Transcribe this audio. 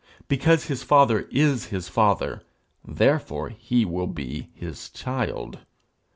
Because his father is his father, therefore he will be his child.